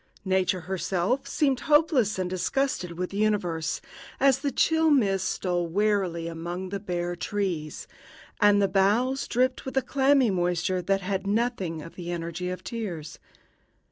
Nature herself seemed hopeless and disgusted with the universe, as the chill mists stole wearily among the bare trees, and the boughs dripped with a clammy moisture that had nothing of the energy of tears.